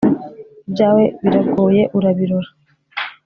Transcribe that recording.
ibyawe biragoye urabirora